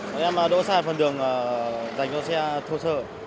bọn em đỗ xa phần đường dành cho xe thô sơ